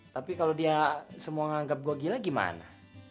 tapi kalau dia semua menganggap gue gila gimana